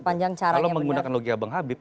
kalau menggunakan logik bang habib bisa saja